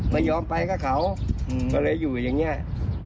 ไม่ยอมไปก็เขาเราอยู่อย่างเนี่ย